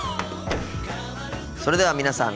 それでは皆さん